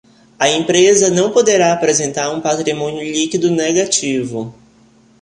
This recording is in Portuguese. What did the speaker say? A empresa não poderá apresentar um patrimônio líquido negativo.